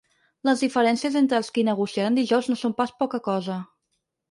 Les diferències entre els qui negociaran dijous no són pas poca cosa.